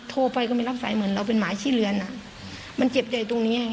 โทรไปก็ไม่รับสายเหมือนเราเป็นหมายขี้เรือนอ่ะมันเจ็บใจตรงนี้ไง